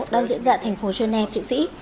đang diễn ra thành phố chennai thị sĩ